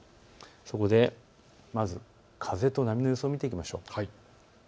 そこでまず風と波の予想を見ていきましょう。